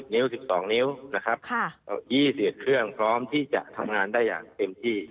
นิ้ว๑๒นิ้วนะครับ๒๑เครื่องพร้อมที่จะทำงานได้อย่างเต็มที่